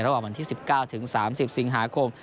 ระหว่างวันที่๑๙ถึง๓๐สิงหาคม